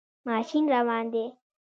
ماشین روان دی